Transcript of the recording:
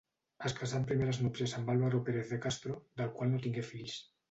Es casà en primeres núpcies amb Álvaro Pérez de Castro, del qual no tingué fills.